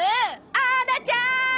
あらちゃん！